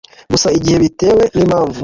gusa igihe bitewe n'impamvu